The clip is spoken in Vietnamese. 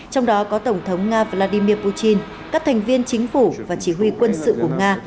trong đó có tổng thống nga vladimir putin các thành viên chính phủ và chỉ huy quân sự của nga